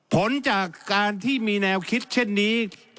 ผลจากการที่มีแนวคิดเช่นนี้